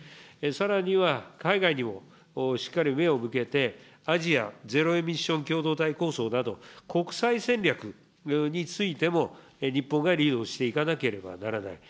さらには海外にもしっかり目を向けて、アジアゼロエミッション共同体構想など、国際戦略についても日本がリードしていかなければならない。